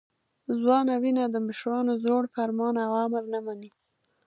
ځوانه وینه د مشرانو زوړ فرمان او امر نه مني.